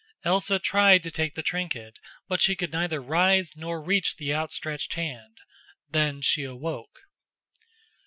Elsa tried to take the trinket, but she could neither rise nor reach the outstretched hand. Then she awoke.